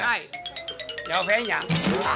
เดี๋ยวเพลงอย่าง